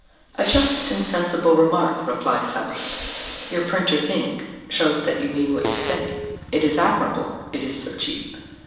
"A just and sensible remark," replied Faust. "Your printer's ink shows that you mean what you say; it is admirable, it is so cheap."